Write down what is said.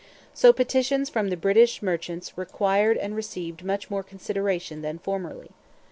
So petitions from the 'British merchants' required and received much more consideration than formerly.